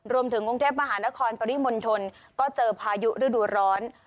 รวมถึงกรุงเทพมหานครปริมณฑลก็เจอพายุฤดูร้อน